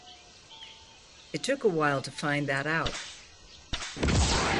It took a while to find that out.